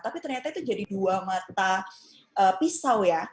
tapi ternyata itu jadi dua mata pisau ya